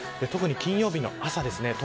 特に金曜日の朝ですね